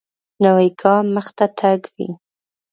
نوی ګام مخته تګ وي